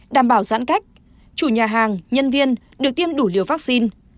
đảm bảo giãn cách chủ nhà hàng nhân viên được tiêm đủ liều vaccine